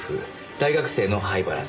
大学生の灰原さん。